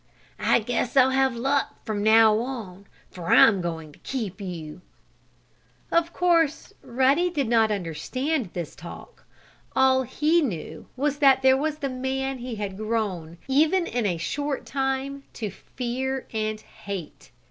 I guess I'll have luck from now on, for I'm going to keep you." Of course Ruddy did not understand this talk. All he knew was that there was the man he had grown, even in a short time, to fear and hate.